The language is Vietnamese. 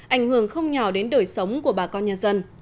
ảnh hưởng không nhỏ đến đời sống của bà con nhân dân